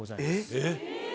えっ！